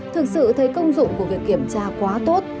thực sự thấy công dụng của việc kiểm tra quá tốt